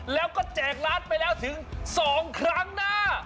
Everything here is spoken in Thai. แล้วก็แจกร้านไปแล้วถึง๒ครั้งหน้า